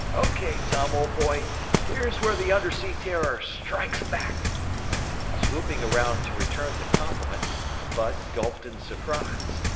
"Okay, Tom old boy, here's where the undersea terror strikes back!" Swooping around to return the compliment, Bud gulped in surprise.